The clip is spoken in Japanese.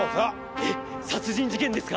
えっ殺人事件ですか？